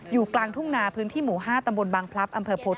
อยู่กลางทุ่งนาพื้นที่หมู่๕ตำบลบังพลับ